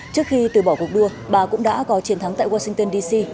trước khi từ bỏ cuộc đua bà cũng đã có chiến thắng tại washington d c